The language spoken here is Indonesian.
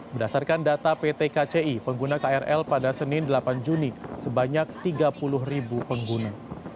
berdasarkan data pt kci pengguna krl pada senin delapan juni sebanyak tiga puluh ribu pengguna